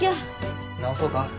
直そうか？